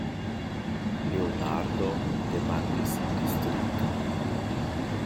Leonardo demandis distrite.